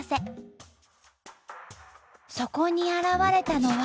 そこに現れたのは。